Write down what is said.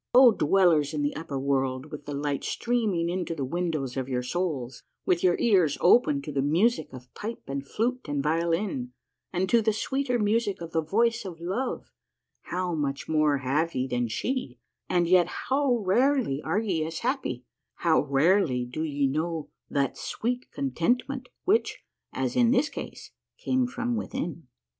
O dwellers in the upper world with the light streaming into the windows of your souls, with your ears open to the music of pipe and flute and violin, and to the sweeter music of the voice of love, how much more have ye than she, and yet how rarely are ye as happy, how rarely do ye know that sweet contentment which, as in this case, came from within